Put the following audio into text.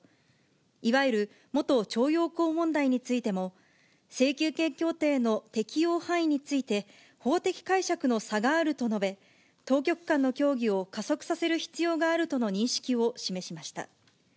いわゆる元徴用工問題についても、請求権協定の適用範囲について、法的解釈の差があると述べ、当局間の協議を加速させる必要があるとの認識を示しました。